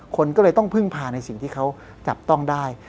คนก็เลยต้องพึ่งพาในสิ่งที่เขาจับต้องได้